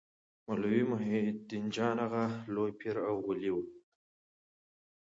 مولوي محي الدین جان اغا لوی پير او ولي و.